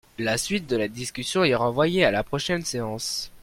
La suite de la discussion est renvoyée à la prochaine séance.